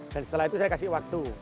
dan setelah itu saya kasih waktu